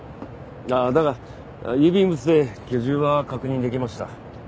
だが郵便物で居住は確認できました。